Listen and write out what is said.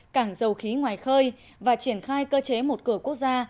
cảng dầu khí ngoài khơi và triển khai cơ chế một cửa quốc gia